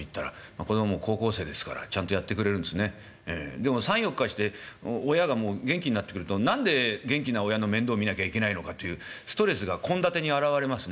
でも３４日して親がもう元気になってくると何で元気な親の面倒を見なきゃいけないのかというストレスが献立に表れますね。